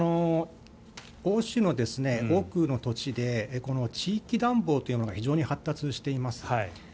欧州の多くの土地でこの地域暖房というのが非常に発達しています。